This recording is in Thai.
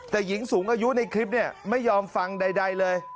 แต่หญิงสูงอายุในคลิปเนี่ยไม่ยอมฟังใดเลย